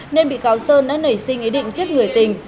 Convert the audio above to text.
nên bị cáo sơn đã nảy sinh ý định giết người tình